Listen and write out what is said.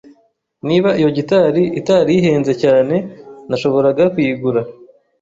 Niba iyo gitari itari ihenze cyane, nashoboraga kuyigura.